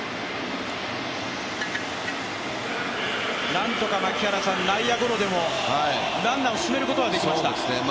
何とか内野ゴロでもランナーを進めることはできました。